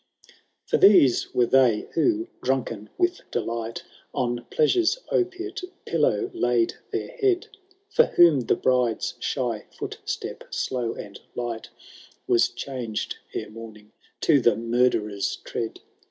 For these were they who, drunken with delight, On pleasured opiate pillow laid their head. For whom the brideVi shj footstep, slow and light, Was changed ere morning to the murderer's tread.